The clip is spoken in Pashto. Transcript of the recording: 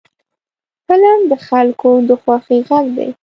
فلم د خلکو د خوښۍ غږ دی